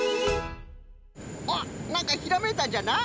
あっなんかひらめいたんじゃな？